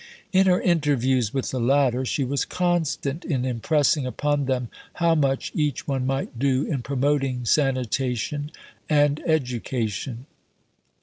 In her interviews with the latter, she was constant in impressing upon them how much each one might do in promoting sanitation and education.